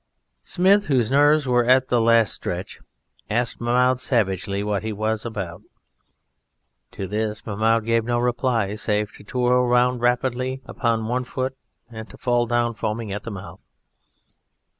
Smith, whose nerves were at the last stretch, asked Mahmoud savagely what he was about. To this Mahmoud gave no reply, save to twirl round rapidly upon one foot and to fall down foaming at the mouth.